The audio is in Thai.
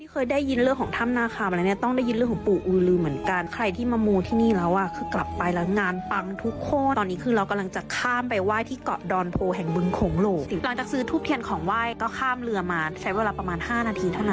ประวัติก็คือปู่อึงลือถูกพญานาคลาศสาปไว้ให้ต้องเฝ้าอยู่ที่บึงคง